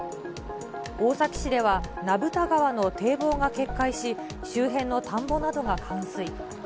大崎市では、名蓋川の堤防が決壊し、周辺の田んぼなどが冠水。